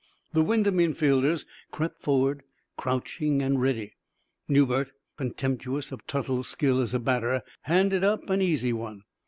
The Wyndham infielders crept forward, crouching and ready. Newbert, contemptuous of Tuttle's skill as a batter, handed up an easy one.